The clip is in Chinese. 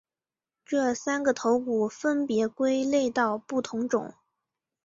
这三个头骨分别归类到不同种。